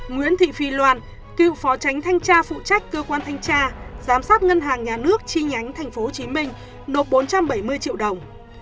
nguyễn thị phi loan cựu phó tránh thanh tra phụ trách cơ quan thanh tra giám sát ngân hàng nhà nước chi nhánh tp hcm nộp bốn trăm bảy mươi triệu đồng